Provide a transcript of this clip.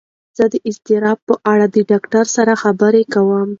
زه د اضطراب په اړه د ډاکتر سره خبرې کوم.